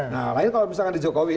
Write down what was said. nah lain kalau misalkan di jokowi